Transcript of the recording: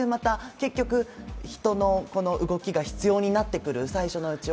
人の動きが必要になってくる最初のうちは。